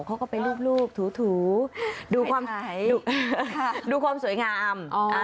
เขาก็ไปรูปถูดูความสวยงาม